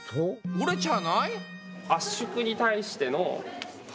折れちゃわない？